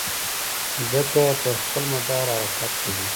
مځکه پر خپل مدار حرکت کوي.